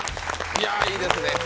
いやー、いいですね。